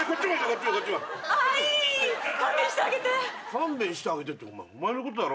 「勘弁してあげて」ってお前のことだろ？